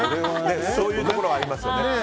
そういうところはありますよね。